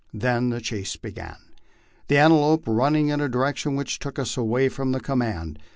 Then the chase began, the antelope running in a direction which took us away from the command.